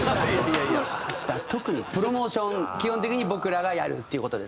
だから特にプロモーション基本的に僕らがやるっていう事ですね。